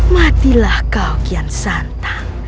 matilah kau kian santa